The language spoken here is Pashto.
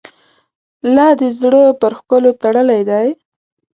لا دي زړه پر ښکلو تړلی دی.